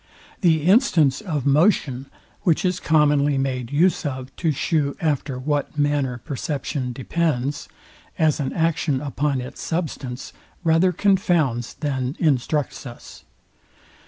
The instance of motion, which is commonly made use of to shew after what manner perception depends, as an action, upon its substance, rather confounds than instructs us.